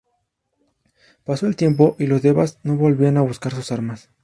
Pasó el tiempo, y los devas no volvían a buscar sus armas.